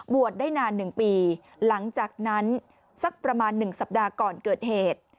ได้นาน๑ปีหลังจากนั้นสักประมาณ๑สัปดาห์ก่อนเกิดเหตุ